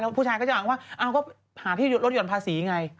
แล้วผู้ชายก็จะอ้างว่าอ้าวก็หาที่รถหย่อนภาษีไง